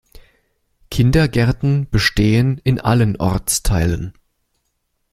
Kindergärten bestehen in allen Ortsteilen.